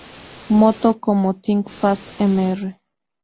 Moto, como "Think Fast, Mr.